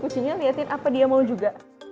kucingnya liatin apa dia mau juga